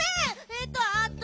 えとあと。